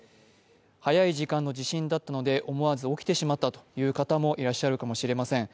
早い時間の地震だったので、思わず起きてしまったという方もいらっしゃるかもしれません。